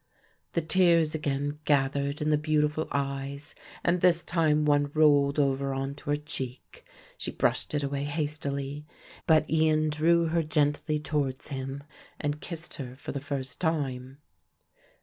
The tears again gathered in the beautiful eyes and this time one rolled over on to her cheek. She brushed it away hastily; but Ian drew her gently towards him and kissed her for the first time.